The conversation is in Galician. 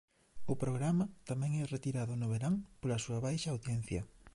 O programa tamén é retirado no verán pola súa baixa audiencia.